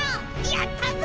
やったぞ！